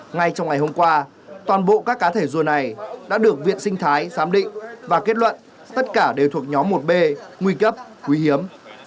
ngay trong ngày hôm qua toàn bộ các cá thể rùa này đã được viện sinh thái giám định và kết luận tất cả đều thuộc nhóm một b nguy cấp quý hiếm